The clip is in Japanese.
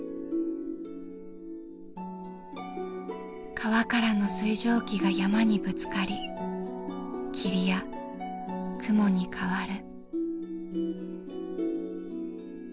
川からの水蒸気が山にぶつかり霧や雲に変わる。